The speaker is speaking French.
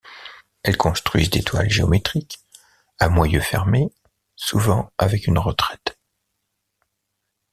Elles construisent des toiles géométriques, à moyeu fermé, souvent avec une retraite.